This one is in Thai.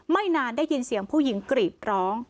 ไม่นานได้ยินเสียงผู้หญิงกรีดร้อง